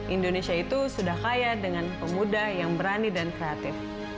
indonesia itu sudah kaya dengan pemuda yang berani dan kreatif